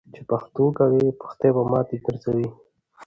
چی پښتو کوی ، پښتي به ماتی ګرځوي .